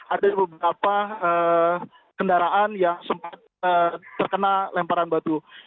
ada beberapa kendaraan yang sempat terkena lemparan batu